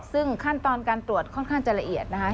ซึ่งขั้นตอนการตรวจค่อนข้างจะละเอียดนะคะ